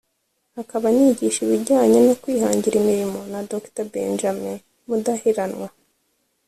akaba anigisha ibijyanye no kwihangira imirimo na Dr Benjamin Mudaheranwa